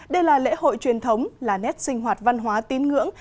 đây là lễ hội truyền thống là nét sinh hoạt văn hóa tín ngưỡng